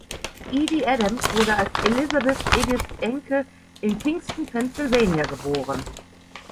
Edie Adams wurde als Elizabeth Edith Enke in Kingston, Pennsylvania geboren.